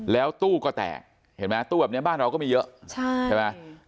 แล้วตู้ก็แตกเห็นไหมตู้แบบนี้บ้านเราก็มีเยอะใช่ไหม